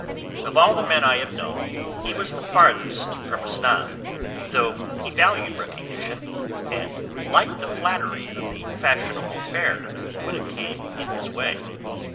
Of all the men I have known he was the farthest from a snob, though he valued recognition, and liked the flattery of the fashionable fair when it came in his way.